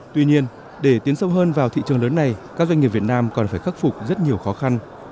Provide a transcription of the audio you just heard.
tuy nhiên để tiến sâu hơn vào thị trường lớn này các doanh nghiệp việt nam còn phải khắc phục rất nhiều khó khăn